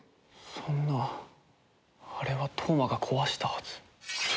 そんなあれは飛羽真が壊したはず。